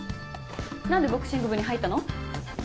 なんでボクシング部に入ったの？